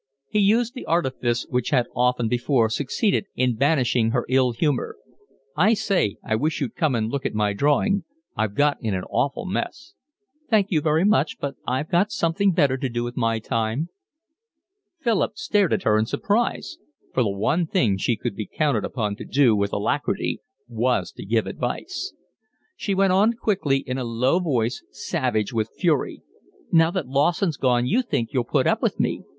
He used the artifice which had often before succeeded in banishing her ill humour. "I say, I wish you'd come and look at my drawing. I've got in an awful mess." "Thank you very much, but I've got something better to do with my time." Philip stared at her in surprise, for the one thing she could be counted upon to do with alacrity was to give advice. She went on quickly in a low voice, savage with fury. "Now that Lawson's gone you think you'll put up with me.